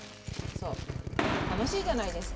そう楽しいじゃないですか。